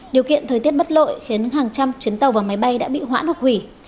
điều kiện thời tiết bất lội khiến hàng trăm chuyến tàu và máy bay đã bị hoãn hoặc hủy